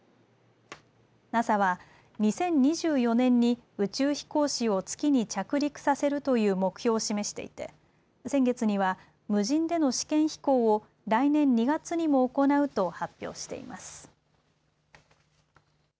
ＮＡＳＡは２０２４年に宇宙飛行士を月に着陸させるという目標を示していて先月には無人での試験飛行を来年２月にも行うと発表しています。